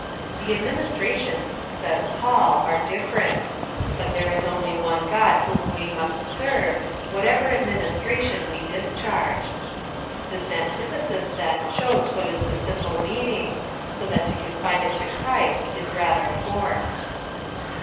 The administrations, says Paul, are different, but there is only one God whom we must serve, whatever administration we discharge. This antithesis, then, shows what is the simple meaning, so that to confine it to Christ is rather forced.